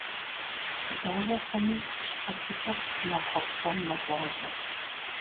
Дауэ хъуми щхьэ куцӀыр махуэ псом мэлажьэ.